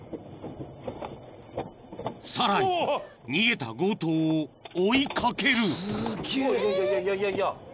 ［さらに逃げた強盗を追い掛ける］